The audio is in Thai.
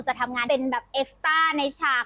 จะทำงานเป็นแบบเอกสตาร์ในฉาก